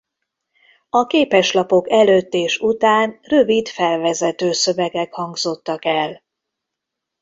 A képeslapok előtt és után rövid felvezető szövegek hangzottak el.